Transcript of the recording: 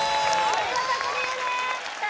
お見事クリアでーすさあ